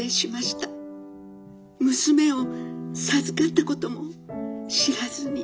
娘を授かったことも知らずに。